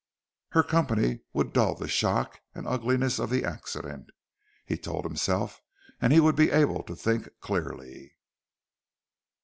Her company would dull the shock and ugliness of the accident, he told himself, and he would be able to think clearly.